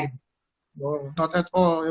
tidak sama sekali